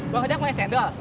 bang ojak mau es cendol